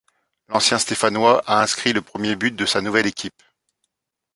L'ancien stéphanois a inscrit le premier but de sa nouvelle équipe.